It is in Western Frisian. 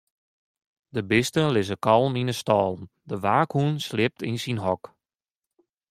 De bisten lizze kalm yn 'e stâlen, de waakhûn sliept yn syn hok.